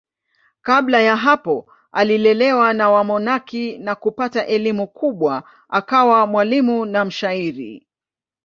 Kabla ya hapo alilelewa na wamonaki na kupata elimu kubwa akawa mwalimu na mshairi.